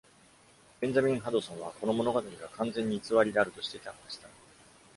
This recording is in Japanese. ベンジャミン・ハドソンはこの物語が「完全に偽りである」として却下した。